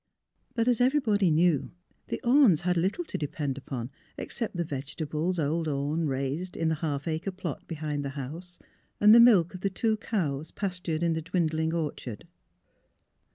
But, as everybody knew, the Ornes had little to depend upon except the vegetables old Orne raised in the half acre plot behind the house and the milk of the two cows pastured in the dwindling orchard.